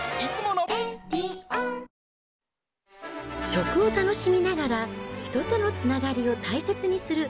食を楽しみながら、人とのつながりを大切にする。